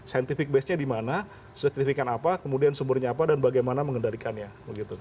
scientific base nya di mana signifikan apa kemudian sumbernya apa dan bagaimana mengendalikannya begitu